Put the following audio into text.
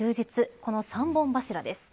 この三本柱です。